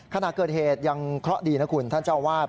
ขณะเกิดเหตุยังเคราะห์ดีนะคุณท่านเจ้าวาด